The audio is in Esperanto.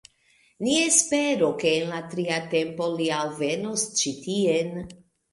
Ni esperu ke en la tria tempo li alvenos ĉi tien